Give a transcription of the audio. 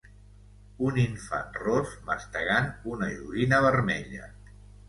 Un infant ros mastegant una joguina vermella.